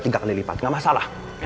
tiga kali lipat nggak masalah